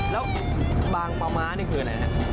แล้วบางพามานี่คืออะไรนะครับ